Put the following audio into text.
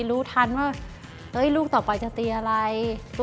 รู้ทันว่าลูกต่อไปจะตีอะไร